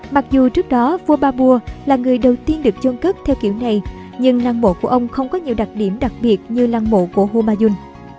mặc dù trước đó vua babur là người đầu tiên được chôn cất theo kiểu này nhưng lăng mộ của ông không có nhiều đặc điểm đặc biệt như lăng mộ của humayun